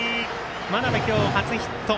真鍋、今日初ヒット。